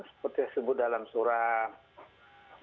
seperti disebut dalam surah